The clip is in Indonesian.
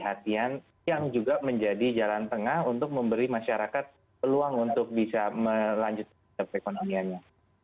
perhatian yang juga menjadi jalan tengah untuk memberi masyarakat peluang untuk bisa melanjutkan perekonomiannya